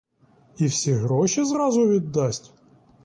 І всі гроші зразу віддасть?